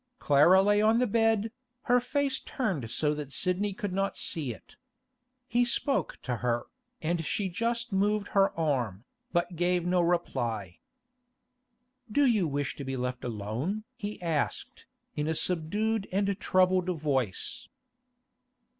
Clara lay on the bed, her face turned so that Sidney could not see it. He spoke to her, and she just moved her arm, but gave no reply. 'Do you wish to be left alone?' he asked, in a subdued and troubled voice.